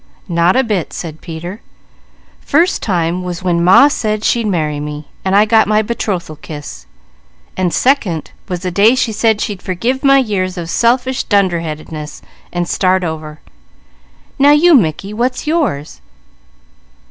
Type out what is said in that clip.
"Not a bit," said Peter. "First time was when Ma said she'd marry me, and I got my betrothal kiss; second, was the day she said she'd forgive my years of selfish dunderheadedness, and start over. Now you, Mickey, what's yours?"